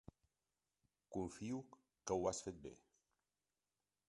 Confio que ho has fet bé.